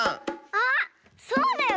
あっそうだよ！